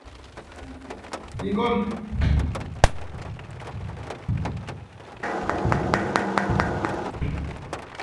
Nunca hemos hecho eso antes".